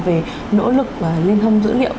về nỗ lực liên thông dữ liệu